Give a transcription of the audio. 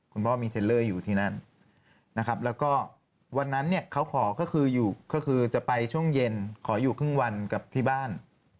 คุณพ่อมีเทลเลอร์อยู่ที่นั่นนะครับแล้วก็วันนั้นเนี่ยเขาขอก็คืออยู่ก็คือจะไปช่วงเย็นขออยู่ครึ่งวันกับที่บ้าน